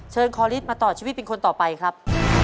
เชิญคอลิสมาตอบชีวิตเป็นคนต่อไปครับ